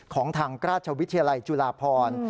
ของทางราชวิทยาลัยจุฬาพร